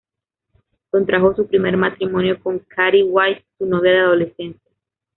Contrajo su primer matrimonio con Kathy White, su novia de adolescencia.